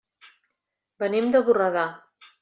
Venim de Borredà.